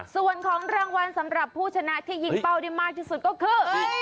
ส่วนของรางวัลสำหรับผู้ชนะที่ยิงเป้าได้มากที่สุดก็คือ